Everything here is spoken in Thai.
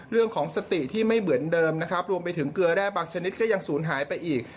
เรื่องของสติที่ไม่เหมือนเดิมนะครับรวมไปถึงเกลือแร่บางชนิดก็ยังสูญหายไปอีก